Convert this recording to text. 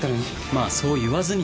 まあそう言わずに。